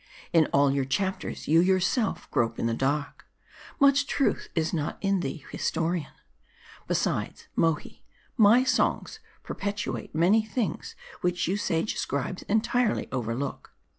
In all your chapters, you yourself grope in the dark. Much truth is not in thee, historian. Besides, Mohi : my songs perpetuate many things which you sage scribes entirely overlook.